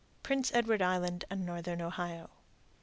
_Prince Edward Island and Northern Ohio.